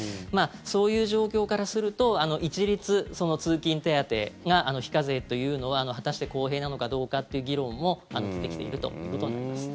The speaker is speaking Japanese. そういう状況からすると一律、通勤手当が非課税というのは果たして公平なのかどうかという議論も出てきているということになります。